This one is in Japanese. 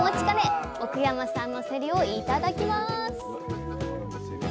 かね奥山さんのせりをいただきます！